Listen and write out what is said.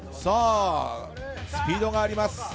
スピードがあります。